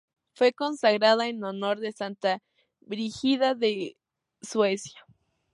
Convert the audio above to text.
Fue consagrada en honor de Santa Brígida de Suecia.